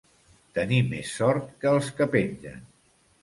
Tenir més sort que els que pengen.